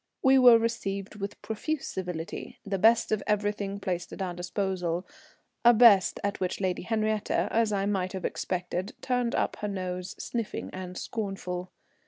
We were received with profuse civility, the best of everything placed at our disposal, a best at which Lady Henriette, as I might have expected, turned up her nose, sniffing and scornful.